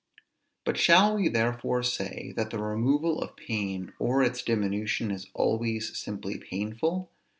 But shall we therefore say, that the removal of pain or its diminution is always simply painful?